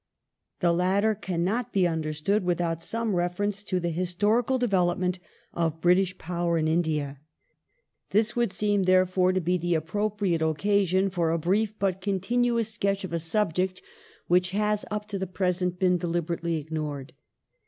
The latter cannot be understood without some reference to the historical development of British power in India. This would seem, therefore, to be the appropriate occasion for a brief but continuous sketch of a subject which has, up to the present, been deliberately ignored.